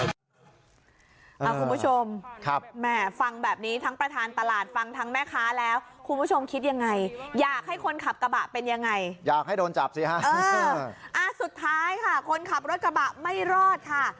คุณผู้ชมครับแหม่ฟังแบบนี้ทั้งประธานตลาดฟังทั้งแม่ค้าแล้วคุณผู้ชมคิดยังไงอยากให้คนขับกระบะเป็นยังไงอยากให้โดนจับสิฮะอ่าสุดท้ายค่ะคนขับรถกระบะไม่รอดค่ะ